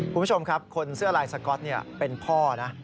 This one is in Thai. คุณผู้ชมครับคนเสื้อลายสก๊อตเป็นพ่อนะ